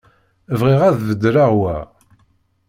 Bɣiɣ ad d-beddleɣ wa.